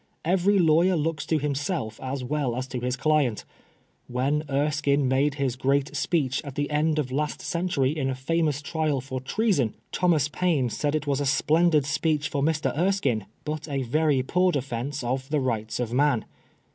Every lawyer looks to himself as well as to his client When Erskine made his great speech at the end of last century in a famous trial for treason, Thomas Paine said it was a splendid speech for Mr. Erskine, but a very poor defence of the Rights of Man."